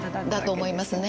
だと思いますね